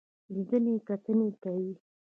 لیدنې کتنې کوي.